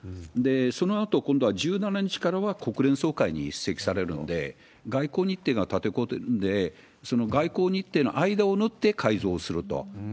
そのあと、今度は１７日からは国連総会に出席されるので、外交日程が立て込んでるんで、その外交日程の間を縫って改造すると。